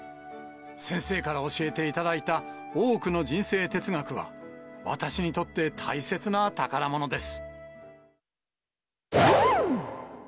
先生から教えていただいた多くの人生哲学は、私にとって大切な宝物です。